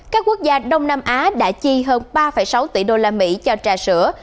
các quốc gia đông nam á đã chi hơn ba sáu tỷ đô la mỹ cho trà sữa